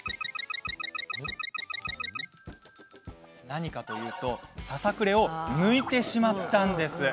何かというとささくれを抜いてしまったんです。